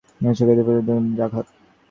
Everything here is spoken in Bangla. হিন্দুর পক্ষে এই শোক এক প্রচণ্ড আঘাত।